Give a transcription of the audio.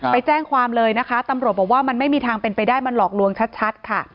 ไปแจ้งความเลยนะคะตำรวจบอกว่ามันไม่มีทางเป็นไปได้มันหลอกลวงชัดค่ะ